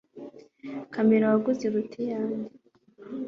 Kamera waguze iruta iyanjye